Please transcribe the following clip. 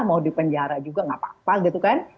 mau di penjara juga enggak apa apa gitu kan